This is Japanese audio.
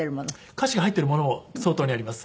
歌詞が入ってるものも相当にあります。